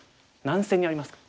何線にありますか？